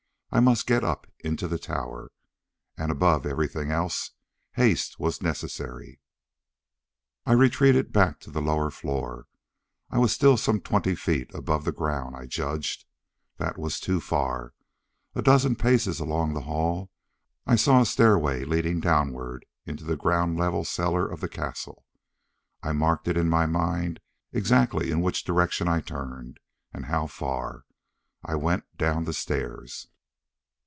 I must get up into the tower. And, above everything, haste was necessary. I retreated back to the lower floor. I was still some twenty feet above the ground, I judged. That was too far. A dozen paces along the hall I saw a stairway leading downward into the ground level cellar of the castle. I marked in my mind exactly in which direction I turned, and how far. I went down the stairs.